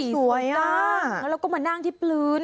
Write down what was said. อ๋อหน้าก็มานั่งที่พื้นที่สดตัก